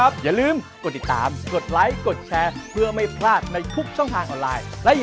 สวัสดีค่ะ